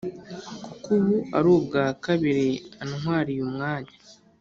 kuko ubu ari ubwa kabiri antwariye umwanya